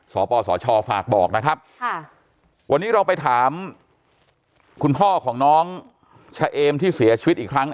สปสชฝากบอกนะครับค่ะวันนี้เราไปถามคุณพ่อของน้องชะเอมที่เสียชีวิตอีกครั้ง